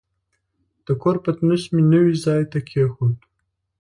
د کور پتنوس مې نوي ځای ته کېښود.